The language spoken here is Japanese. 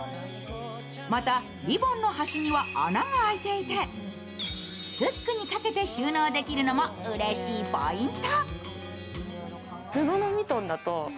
またリボンの端には穴が開いていて、フックにかけて収納できるのもうれしいポイント。